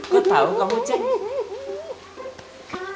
kau tau kamu ceng